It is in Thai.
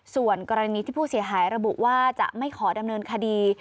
ส่วนกรณีที่ผู้เสียหายระบุว่าจะไม่ขอดำเนินคดี